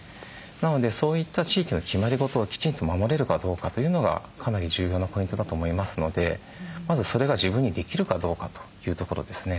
なのでそういった地域の決まり事をきちんと守れるかどうかというのがかなり重要なポイントだと思いますのでまずそれが自分にできるかどうかというところですね。